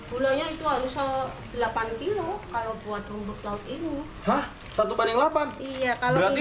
gulanya itu harus delapan kg kalau buat rumput laut ini